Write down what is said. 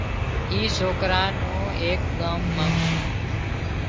اِي سوڪرا نُون ايڪ ڳام مان